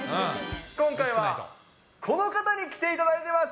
今回は、この方に来ていただいています。